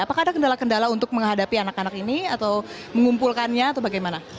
apakah ada kendala kendala untuk menghadapi anak anak ini atau mengumpulkannya atau bagaimana